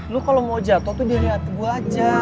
lo kalau mau jatoh tuh dia lihat gue aja